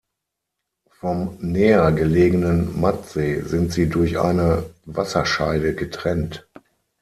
Vom näher gelegenen Mattsee sind sie durch eine Wasserscheide getrennt.